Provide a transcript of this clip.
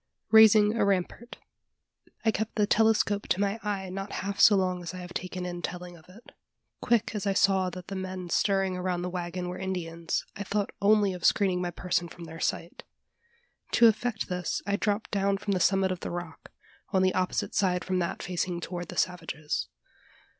RAISING A RAMPART. I kept the telescope to my eye not half so long as I have taken in telling of it. Quick as I saw that the men stirring around the waggon were Indians, I thought only of screening my person from their sight. To effect this, I dropped down from the summit of the rock on the opposite side from that facing toward the savages.